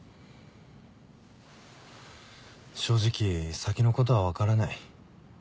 正直先のことは分からない。